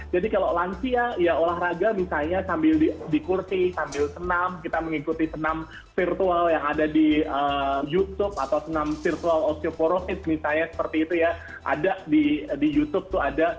jadi kalau lansia ya olahraga misalnya sambil dikursi sambil senam kita mengikuti senam virtual yang ada di youtube atau senam virtual osteoporosis misalnya seperti itu ya ada di youtube tuh ada